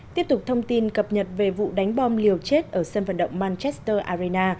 tiếp tục thông tin cập nhật về vụ đánh bom liều chết ở sân vận động malchester arena